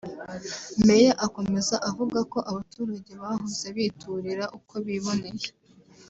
Meya akomeza avuga ko abaturage bahoze biturira uko biboneye